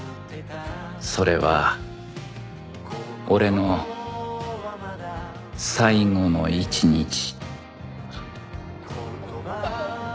それは俺の最期の一日